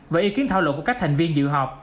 và ý kiến thảo luận của các thành viên dự họp